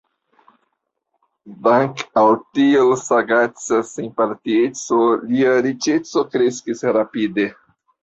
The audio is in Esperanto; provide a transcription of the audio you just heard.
Dank' al tiel sagaca senpartieco, lia riĉeco kreskis rapide.